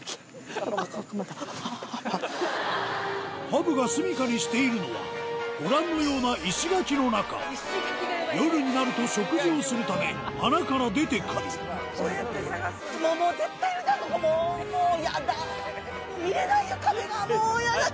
ハブがすみかにしているのはご覧のような夜になると食事をするため穴から出てくるもう嫌だ！